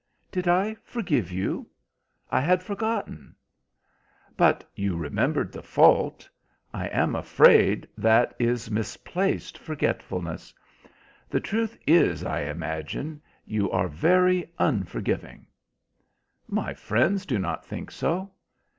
"Did I forgive you? I had forgotten?" "But you remembered the fault. I am afraid that is misplaced forgetfulness. The truth is, I imagine, you are very unforgiving." "My friends do not think so."